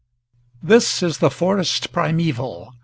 THIS is the forest primeval.